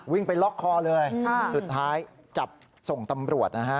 วิ่งไปล็อกคอเลยสุดท้ายจับส่งตำรวจนะฮะ